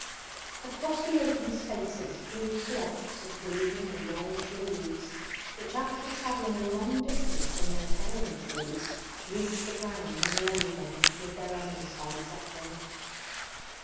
Across the open spaces flew flocks of green and yellowish leaves, which, after travelling a long distance from their parent trees, reached the ground, and lay there with their under sides upward.